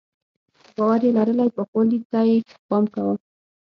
که باور یې لرلی پاکوالي ته یې پام کاوه.